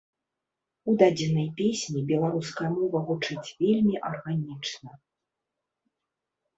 У дадзенай песні беларуская мова гучыць вельмі арганічна.